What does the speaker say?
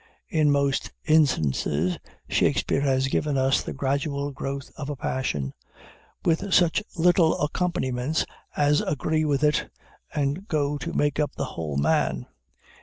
In most instances, Shakspeare has given us the gradual growth of a passion, with such little accompaniments as agree with it, and go to make up the whole man.